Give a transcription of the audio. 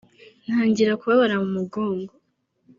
ntangira kubabara mu mugongo